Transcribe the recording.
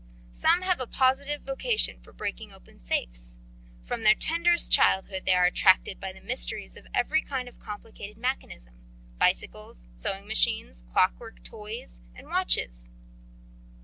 Some have a positive vocation for breaking open safes: from their tenderest childhood they are attracted by the mysteries of every kind of complicated mechanism bicycles, sewing machines, clock work toys and watches.